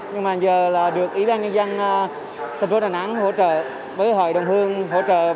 nhưng mà giờ là được ủy ban nhân dân thành phố đà nẵng hỗ trợ với hội đồng hương hỗ trợ